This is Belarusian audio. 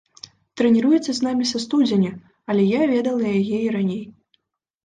Трэніруецца з намі са студзеня, але я ведала яе і раней.